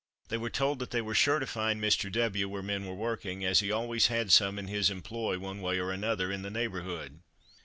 They were told that they were sure to find Mr. W. where men were working, as he always had some in his employ in one way or another in the neighbourhood.